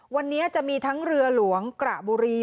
วันนี้จะมีทั้งเรือหลวงกระบุรี